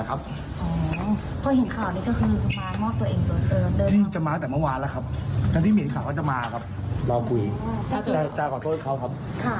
ก็รู้แต่ว่าผมผิดผมก็ยอมรับแล้วครับ